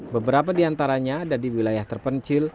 beberapa di antaranya ada di wilayah terpencil